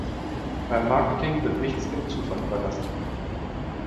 Beim Marketing wird nichts dem Zufall überlassen.